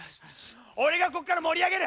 俺がこっから盛り上げる。